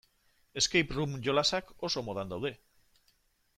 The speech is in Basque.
Escape-room jolasak oso modan daude.